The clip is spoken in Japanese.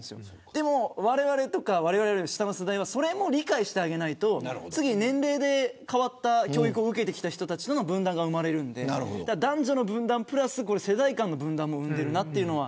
でもわれわれとかわれわれの下の世代はそれを理解してあげないと年齢で変わった教育を受けてきた人たちの分断が生まれるので男女の分断プラス世代間の分断も生んでいるなというのは。